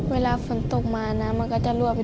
เวลาฝนตกมานะมันก็จะรั่วไปทุกที